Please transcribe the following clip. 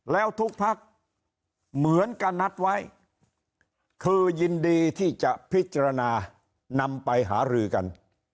แล้วทุกพักเหมือนกันนัดไว้คือยินดีที่จะพิจารณานำไปหารือกัน